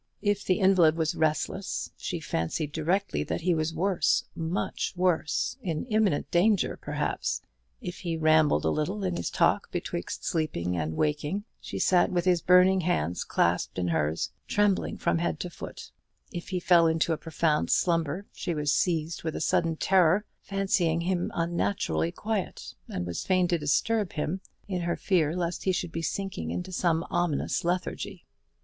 If the invalid was restless, she fancied directly that he was worse much worse in imminent danger, perhaps: if he rambled a little in his talk betwixt sleeping and waking, she sat with his burning hands clasped in hers, trembling from head to foot: if he fell into a profound slumber, she was seized with a sudden terror, fancying him unnaturally quiet, and was fain to disturb him, in her fear lest he should be sinking into some ominous lethargy.